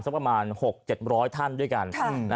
สักประมาณ๖๗๐๐ท่านด้วยกัน